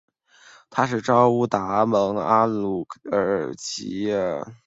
他是昭乌达盟阿鲁科尔沁旗阿日本苏木台吉巴达玛旺其格的次子。